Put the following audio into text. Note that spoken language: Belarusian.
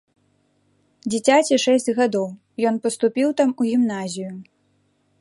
Дзіцяці шэсць гадоў, ён паступіў там у гімназію.